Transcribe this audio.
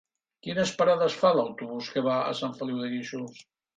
Quines parades fa l'autobús que va a Sant Feliu de Guíxols?